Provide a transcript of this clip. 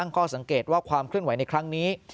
ข้อสังเกตว่าความเคลื่อนไหวในครั้งนี้